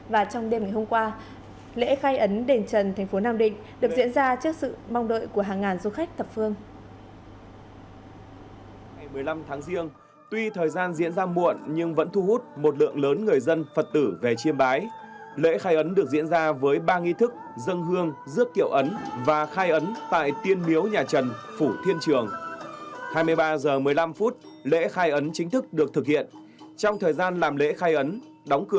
và trong đêm ngày hôm qua lễ khai ấn đền trần thành phố nam định được diễn ra trước sự mong đợi của hàng ngàn du khách thập phương